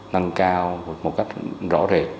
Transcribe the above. nâng cao một cách rõ rệt